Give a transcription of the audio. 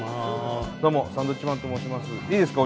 どうもサンドウィッチマンと申します。